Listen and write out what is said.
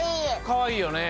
かわいいよね。